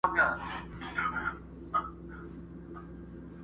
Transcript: څوك به تاو كړي د بابا بګړۍ له سره،